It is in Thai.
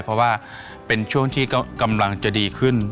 เพราะว่าเป็นช่วงที่กำลังจะดีขึ้น